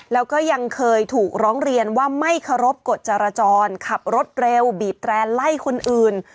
แล้วก็ยังเคยถูกร้องเรียนว่าไม่เคารพกฎจรจรขับรถเร็วบีบแตร่ไล่คนอื่น